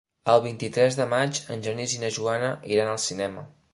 El vint-i-tres de maig en Genís i na Joana iran al cinema.